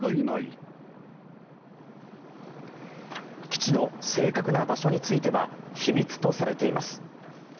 基地の正確な場所については秘密とされています。